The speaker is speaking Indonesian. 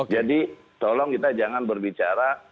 jadi tolong kita jangan berbicara